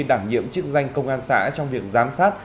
đảm nhiệm chức danh công an xã trong việc giám sát